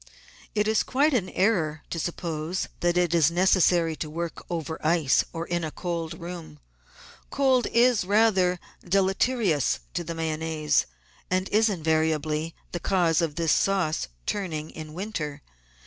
It is quite an error to suppose that it is necessary to work over ice or in a cold room. Cold is rather deleterious to the Mayonnaise, and is invariably the cause of this sauce turn ing in winter.